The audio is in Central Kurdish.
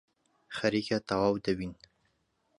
خەریکە تەواو دەبین.